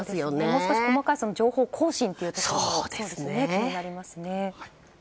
もう少し細かい情報更新というところも気になりますね。